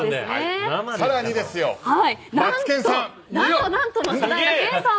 更に、マツケンさん！